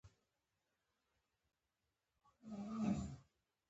مصنوعي ځیرکتیا د زده کړې دودیز نظام بدلوي.